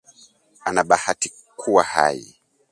Ana bahati kuwa hai